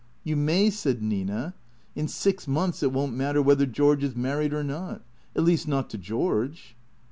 " You may," said Nina. " In six months it won't matter whether George is married or not. At least, not to George."